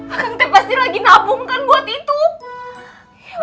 akang pasti lagi nabungkan buat ijeng